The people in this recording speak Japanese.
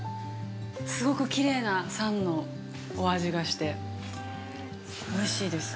すごくきれいな酸のお味がしておいしいです。